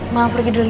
ma pergi dulu ya